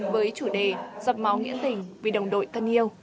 với chủ đề giọt máu nghĩa tình vì đồng đội thân yêu